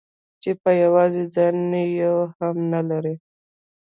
چې په يوازې ځان يې يو هم نه لري.